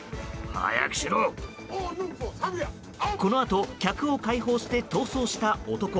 このあと客を解放して逃走した男。